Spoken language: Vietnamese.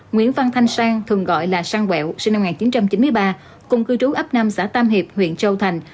nguyễn văn thanh sang thường gọi là sang quẹo sinh năm một nghìn chín trăm chín mươi ba cùng cư trú ấp năm xã tam hiệp huyện châu thành